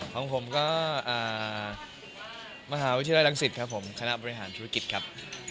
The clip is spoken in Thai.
ทำงานดีจากมหาวิทยาลัยอะไร